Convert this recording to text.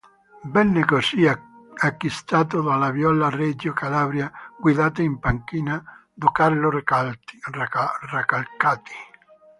Venne così acquistato dalla Viola Reggio Calabria guidata in panchina da Carlo Recalcati.